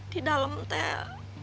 di dalam neng